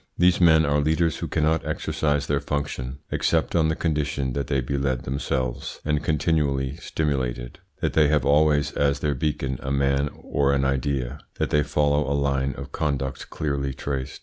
These men are leaders who cannot exercise their function except on the condition that they be led themselves and continually stimulated, that they have always as their beacon a man or an idea, that they follow a line of conduct clearly traced.